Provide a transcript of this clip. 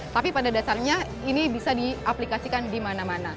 tapi pada dasarnya ini bisa diaplikasikan di mana mana